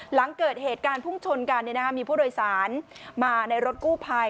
หลังเกิดเหตุการณ์พุ่งชนกันมีผู้โดยสารมาในรถกู้ภัย